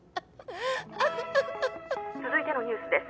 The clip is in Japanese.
「続いてのニュースです」